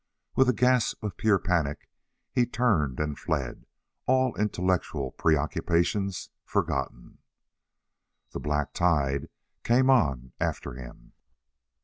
With a gasp of pure panic he turned and fled, all intellectual preoccupations forgotten. The black tide came on after him.